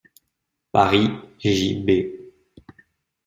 Paris, J.-B.